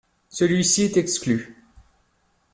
Celui-ci est exclu.